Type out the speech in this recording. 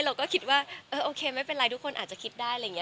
เราก็คิดว่าโอเคไม่เป็นไรทุกคนอาจจะคิดได้